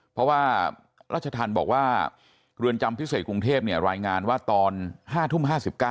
เพราะว่ารัชธรรมบอกว่าเรือนจำพิเศษกรุงเทพรายงานว่าตอน๕ทุ่ม๕๙